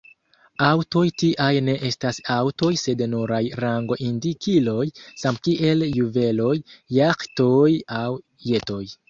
Aŭtoj tiaj ne estas aŭtoj sed nuraj rango-indikiloj, samkiel juveloj, jaĥtoj aŭ jetoj.